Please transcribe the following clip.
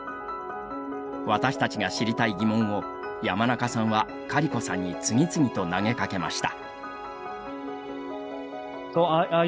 私たちが知りたい疑問を山中さんはカリコさんに次々と投げかけました。